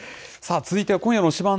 続いては、今夜の推しバン！